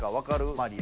マリア。